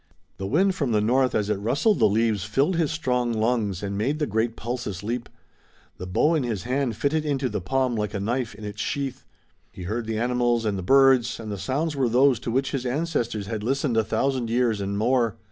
The wind from the north as it rustled the leaves filled his strong lungs and made the great pulses leap. The bow in his hand fitted into the palm like a knife in its sheath. He heard the animals and the birds, and the sounds were those to which his ancestors had listened a thousand years and more.